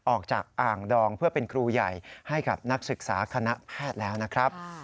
อ่างดองเพื่อเป็นครูใหญ่ให้กับนักศึกษาคณะแพทย์แล้วนะครับ